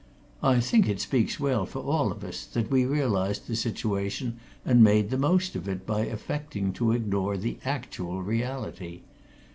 I think it speaks well for all of us that we realized the situation and made the most of it by affecting to ignore the actual reality.